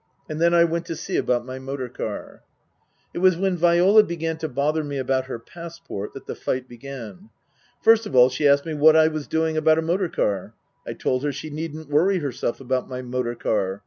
And then I went to see about my motor car. It was when Viola began to bother me about her passport that the fight began. First of all, she asked me what I was doing about a motor car ? I told her she needn't worry herself about my motor car.